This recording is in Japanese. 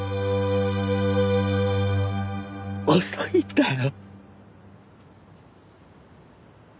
遅いんだよ。